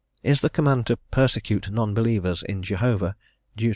Is the command to persecute non believers in Jehovah (Deut.